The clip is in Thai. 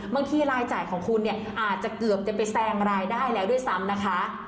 บางทีรายจ่ายของคุณเนี่ยอาจจะเกือบจะไปแซงรายได้แล้วด้วยซ้ำนะคะ